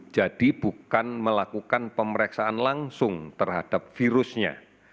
jadi bukan melakukan pemeriksaan langsung terhadap virusnya